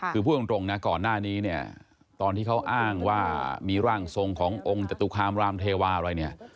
คือพูดตรงนะก่อนหน้านี้เนี่ยตอนที่เขาอ้างว่ามีร่างทรงขององค์จตุคามรามเทวาอะไรเนี่ย